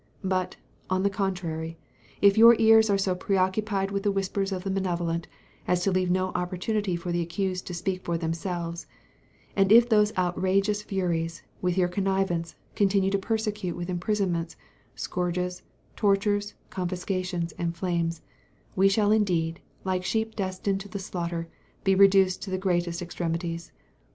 But, on the contrary, if your ears are so preoccupied with the whispers of the malevolent, as to leave no opportunity for the accused to speak for themselves, and if those outrageous furies, with your connivance, continue to persecute with imprisonments, scourges, tortures, confiscations, and flames, we shall indeed, like sheep destined to the slaughter, be reduced to the greatest extremities.